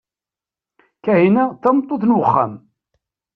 Kahina d tameṭṭut n uxxam.